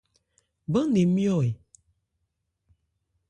Bán-nne nmyɔ́ ɛ ?